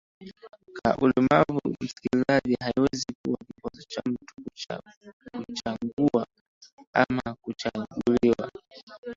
ka ulemavu msikilizaji haiwezi kuwa kikwazo cha mtu kuchangua ama kuchaguliwa